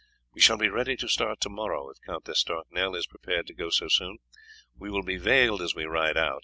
We shall be ready to start to morrow, if Count d'Estournel is prepared to go so soon. We will be veiled as we ride out.